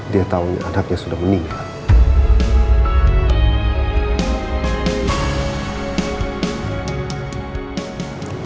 dia tahunya anaknya sudah meninggal